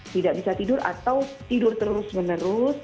tidak bisa tidur atau tidur terus menerus